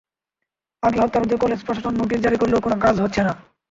পাখি হত্যা রোধে কলেজ প্রশাসন নোটিশ জারি করলেও কোনো কাজ হচ্ছে না।